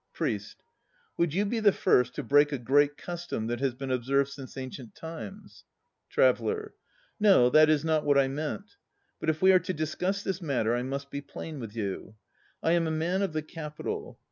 PRIEST. Would you be the first to break a Great Custom that has been observed since ancient times? TRAVELLER. No, that is not what I meant. But if we are to discuss this matter, I must be plain with you. ... I am a man of the Capital.